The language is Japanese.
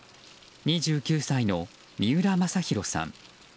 ２９歳の三浦正裕さん。